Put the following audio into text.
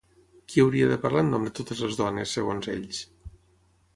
Qui hauria de parlar en nom de totes les dones, segons ells?